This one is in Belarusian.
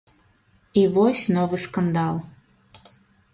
І вось новы скандал.